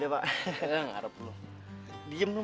eh iya pak siapa tahu kita kepilih lombiade pak